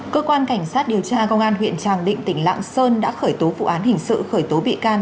cơ quan cảnh sát điều tra công an huyện tràng định tỉnh lạng sơn đã khởi tố vụ án hình sự khởi tố bị can